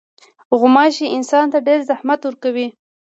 غوماشې انسان ته ډېر مزاحمت کوي.